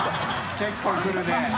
結構くるね。